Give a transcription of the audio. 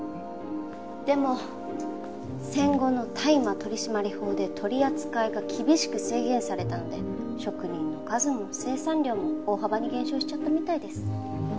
でも戦後の大麻取締法で取り扱いが厳しく制限されたので職人の数も生産量も大幅に減少しちゃったみたいです。